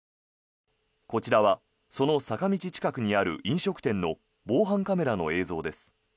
こちらは、その坂道近くにある飲食店の防犯カメラの映像です。